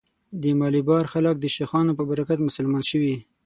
د مالیبار خلک د شیخانو په برکت مسلمان شوي.